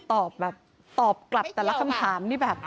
โอ้โฮป้าแกตอบกลับแต่ละคำถามนี่แบบ